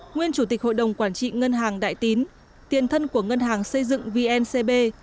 nguyên chủ tịch hội đồng quản trị ngân hàng đại tín tiền thân của ngân hàng xây dựng vncb